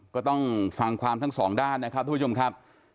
ก็ต้องฟังความทั้งสองด้านนะครับทุกผู้ชมครับ